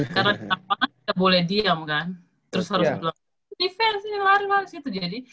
karena kita malah boleh diam kan terus harus bilang di fans ini lari lah